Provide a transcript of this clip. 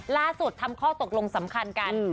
ล่าสุดทำข้อตกลงสำคัญกัน